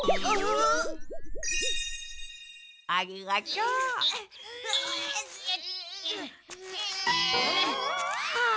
ありがとう。はあ。